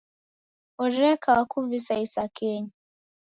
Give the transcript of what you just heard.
Oreka wakuvisa isakenyi.